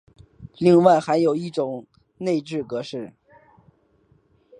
另外还有一种内置格式。